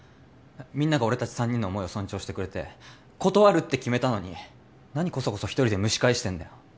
みんなが俺達３人の思いを尊重してくれて断るって決めたのに何コソコソ一人で蒸し返してんだよ